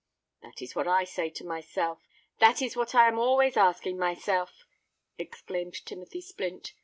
"That is what I say to myself—that is what I am always asking myself," exclaimed Timothy Splint.